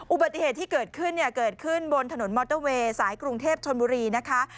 อุบัติเหตุที่เกิดขึ้นบนถนนมอเตอร์เวย์สายกรุงเทพฯชนบุรีนะคะ